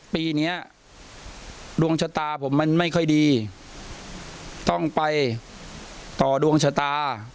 ปีนี้ดวงชะตาผมมันไม่ค่อยดีต้องไปต่อดวงชะตา